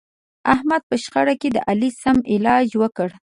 احمد په شخړه کې د علي سم علاج وکړ.